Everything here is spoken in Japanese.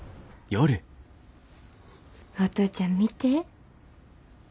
お父ちゃん見て？